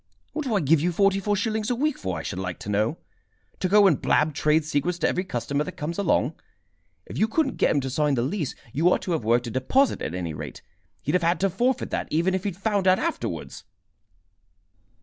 "What do I give you forty four shillings a week for, I should like to know? To go and blab trade secrets to every customer that comes along? If you couldn't get him to sign the lease, you ought to have worked a deposit, at any rate. He'd have had to forfeit that, even if he'd found out afterwards."